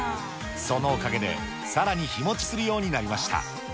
そのおかげでさらに日もちするようになりました。